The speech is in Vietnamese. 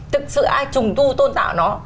thực sự ai trùng tu tôn tạo nó